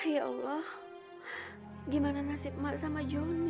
ya allah gimana nasib mak sama johnny